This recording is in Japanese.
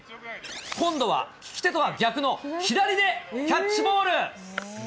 今度は利き手とは逆の左でキャッチボール。